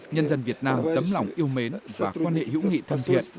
nhân dân việt nam tấm lòng yêu mến và quan hệ hữu nghị thân thiện